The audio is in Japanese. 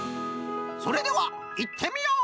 それではいってみよう！